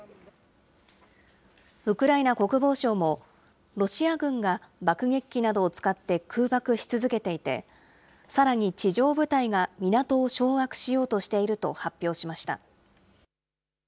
ウクライナ国防省も、ロシア軍が爆撃機などを使って空爆し続けていて、さらに地上部隊が港を掌握しようとしていると発表しました。